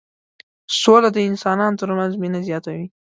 سوله د انسانانو ترمنځ مينه زياتوي.